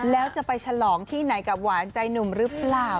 แล้วจะไปฉลองที่ไหนกับหวานใจหนุ่มหรือเปล่า